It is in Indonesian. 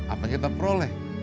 apa yang kita peroleh